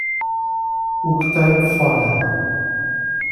O que tem fora?